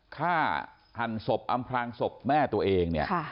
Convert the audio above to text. ฆ่าอัมพรางสบแม่ตัวเอง